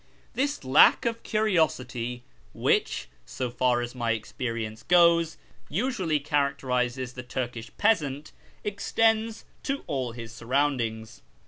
This lack of curiosity, N\liitli, so I'ar as my experience goes, usually char acterises the Turkish peasant, extends to all his surroundings.